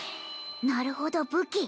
なるほど武器